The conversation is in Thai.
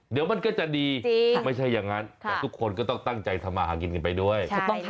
เดี๋ยวมันก็จะดีไม่ใช่อย่างนั้นแต่ทุกคนก็ต้องตั้งใจทำมาหากินกันไปด้วย